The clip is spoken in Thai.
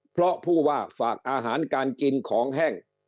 เพราะผู้ว่าฝากอาหารการกินของแห้ง